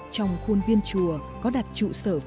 trong khuôn viên chùa có đặt trụ sở phật giáo việt tông